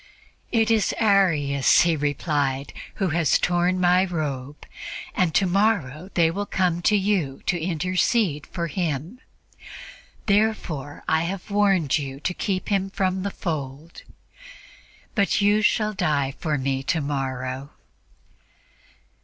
"'It is Arius,' He replied, 'who has torn My robe, and tomorrow they will come to you to intercede for him. Therefore I have warned you to keep him from the fold. But you shall die for Me tomorrow.'"